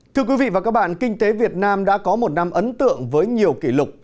thưa quý vị và các bạn kinh tế việt nam đã có một năm ấn tượng với nhiều kỷ lục